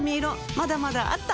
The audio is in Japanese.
まだまだあった！